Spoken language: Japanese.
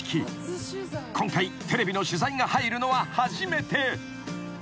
［今回テレビの取材が入るのは初めて］